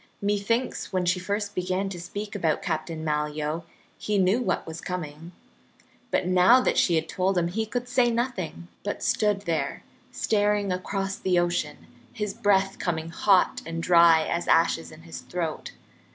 Methinks when she first began to speak about Captain Malyoe he knew what was coming. But now that she had told him, he could say nothing, but stood there staring across the ocean, his breath coming hot and dry as ashes in his throat.